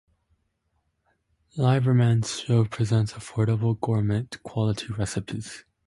Lieberman's show presents affordable gourmet quality recipes.